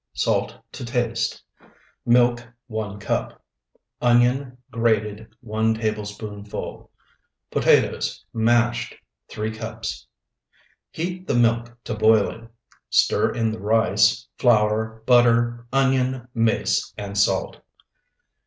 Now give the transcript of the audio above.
Salt to taste. Milk, 1 cup. Onion grated, 1 tablespoonful. Potatoes, mashed, 3 cups. Heat the milk to boiling, stir in the rice, flour, butter, onion, mace, and salt.